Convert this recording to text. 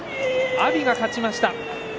阿炎が勝ちました。